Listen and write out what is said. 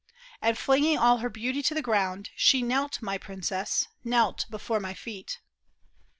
And flinging all her beauty to the ground, She knelt, my princess, knelt before my feet.